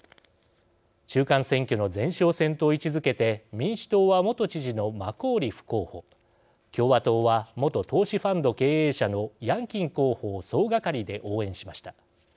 中間選挙の前哨戦と位置づけて民主党は元知事のマコーリフ候補共和党は元投資ファンド経営者のヤンキン候補を総がかりで応援しました。